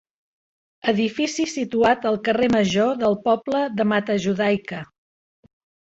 Edifici situat al carrer Major del poble de Matajudaica.